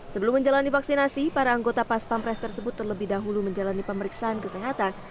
sebelum menjalani vaksinasi para anggota pas pampres tersebut terlebih dahulu menjalani pemeriksaan kesehatan